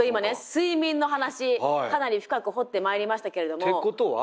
睡眠の話かなり深く掘ってまいりましたけれども。ってことは。